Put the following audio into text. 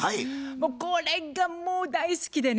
これがもう大好きでね。